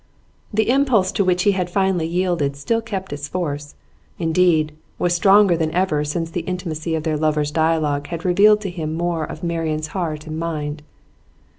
The impulse to which he had finally yielded still kept its force; indeed, was stronger than ever since the intimacy of lovers' dialogue had revealed to him more of Marian's heart and mind.